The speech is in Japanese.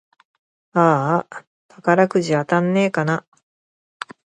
あーあ、宝くじ当たんねぇかな